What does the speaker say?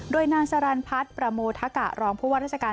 โดยนางสรรพัฒน์ประโมทะกะรองผู้ว่าราชการ